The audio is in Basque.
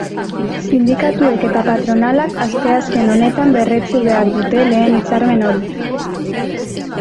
Sindikatuek eta patronalak asteazken honetan berretsi behar dute lehen hitzarmen hori.